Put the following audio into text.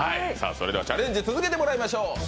それではチャレンジ続けてもらいましょう。